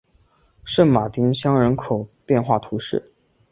圣马丁乡人口变化图示